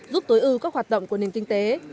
giúp tối ưu các hoạt động của nền kinh tế